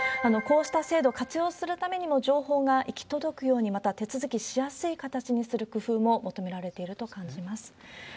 こうした制度、活用するためにも情報が行き届くように、また手続きしやすい形にする工夫も求められていると感じます。